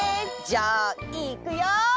じゃあいくよ！